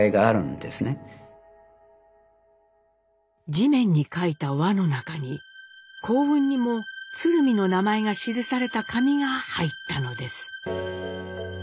地面に書いた輪の中に幸運にも鶴見の名前が記された紙が入ったのです。